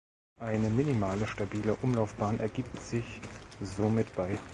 Eine minimale stabile Umlaufbahn ergibt sich somit bei